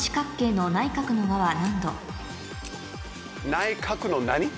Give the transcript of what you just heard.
内角の何？